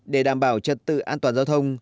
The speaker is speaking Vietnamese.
để đảm bảo trật tự an toàn giao thông